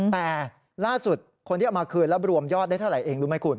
แต่ล่าสุดคนที่เอามาคืนแล้วรวมยอดได้เท่าไหร่เองรู้ไหมคุณ